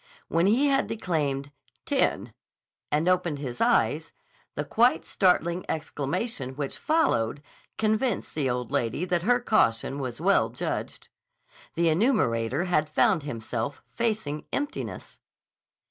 When he had declaimed "Ten" and opened his eyes, the quite startling exclamation which followed convinced the old lady that her caution was well judged. The enumerator had found himself facing emptiness.